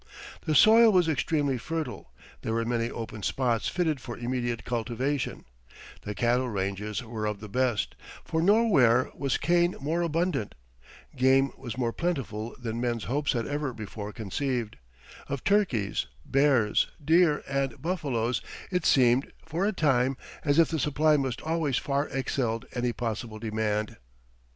The soil was extremely fertile; there were many open spots fitted for immediate cultivation; the cattle ranges were of the best, for nowhere was cane more abundant; game was more plentiful than men's hopes had ever before conceived of turkeys, bears, deer, and buffaloes it seemed, for a time, as if the supply must always far excelled any possible demand.